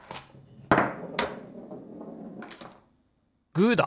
グーだ！